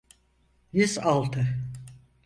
Yüz altı.